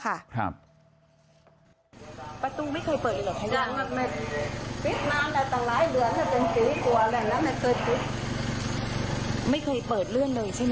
ประตูไม่เคยเปิดหรือคะไม่เคยเปิดเรื่องหนึ่งใช่ไหม